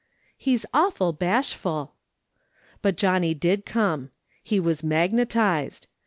" He's awful bashful." But Johnny did come. He was magnetised.